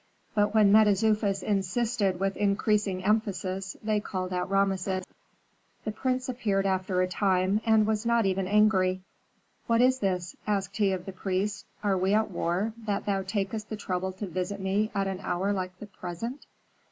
But when Mentezufis insisted with increasing emphasis, they called out Rameses. The prince appeared after a time, and was not even angry. "What is this?" asked he of the priest. "Are we at war, that thou takest the trouble to visit me at an hour like the present?"